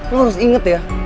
lo harus inget ya